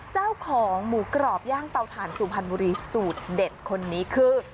เจ้าของหมูกรอบย่างเตาถ่านสุพรรณบุรีสูตรเด็ดคนนี้คือ